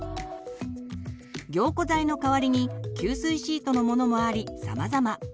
凝固剤の代わりに吸水シートのものもありさまざま。